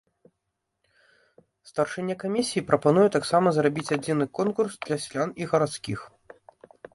Старшыня камісіі прапануе таксама зрабіць адзіны конкурс для сялян і гарадскіх.